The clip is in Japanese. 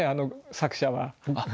作者は。